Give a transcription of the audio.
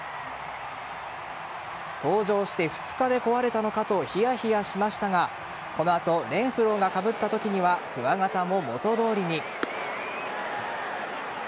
登場して２日で壊れたのかとヒヤヒヤしましたがこの後レンフローがかぶったときにはくわ形も元通りに。